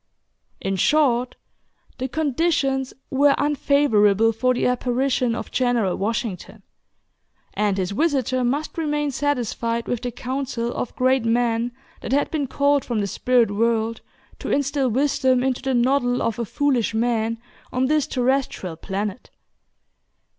In short, the "conditions" were unfavorable for the apparition of "General Washington;" and his visitor must remain satisfied with the council of great men that had been called from the spirit world to instill wisdom into the noddle of a foolish man on this terrestrial planet.